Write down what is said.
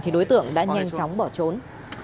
thì đối tượng đã nhanh chóng bỏ trốn